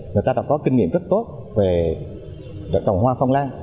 người ta đã có kinh nghiệm rất tốt về trồng hoa phong lan